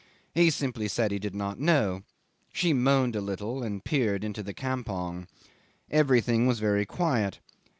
He simply said he did not know. She moaned a little, and peered into the campong. Everything was very quiet.